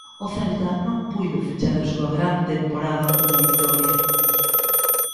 O Celta non puido fechar a súa gran temporada cunha vitoria.